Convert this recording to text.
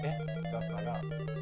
だから。